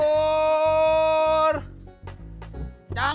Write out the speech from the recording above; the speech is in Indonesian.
nah seperti biar